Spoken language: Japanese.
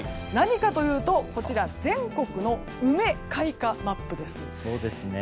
何かというと全国の梅の開花マップです。